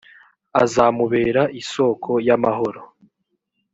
azamubera isoko y’amahoro.